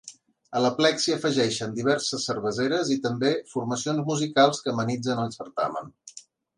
A l'aplec s'hi afegeixen diverses cerveseres i també formacions musicals que amenitzen el certamen.